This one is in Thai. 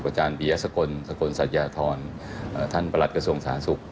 อาจารย์ปียสกลสกลสัญญาธรท่านประหลัดกระทรวงสาธารณสุข